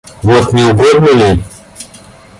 Вот, не угодно ли...